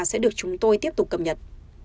sẽ được chúng tôi tiếp tục cập nhật